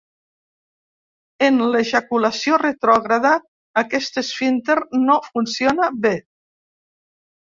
En l'ejaculació retrògrada, aquest esfínter no funciona bé.